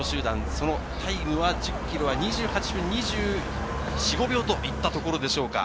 そのタイムは、１０ｋｍは２８分２４２５秒といったところでしょうか。